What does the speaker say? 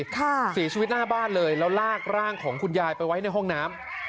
เสียชีวิตหน้าบ้านเลยแล้วลากร่างของคุณยายไปไว้ในห้องน้ำ